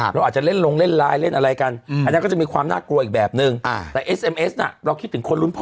เราอาจจะเล่นลงเล่นไลน์เล่นอะไรกัน